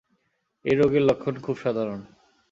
এই রোগের লক্ষণ খুব সাধারণ।